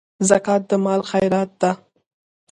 زکات د مال خيره ده.